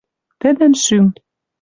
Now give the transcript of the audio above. тӹдӹн шӱм.